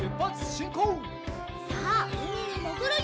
さあうみにもぐるよ！